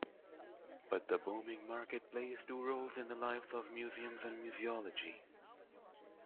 But the booming market plays two roles in the lives of museums and museology.